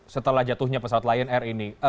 setelah jatuhnya pesawat lion air ini